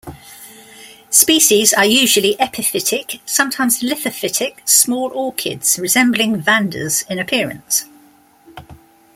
Species are usually epiphytic, sometimes lithophytic small orchids, resembling "Vanda"s in appearance.